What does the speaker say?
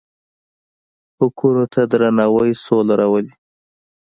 حقونو ته درناوی سوله راولي.